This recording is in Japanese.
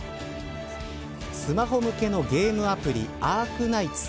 スマホ向けのゲームアプリアークナイツ。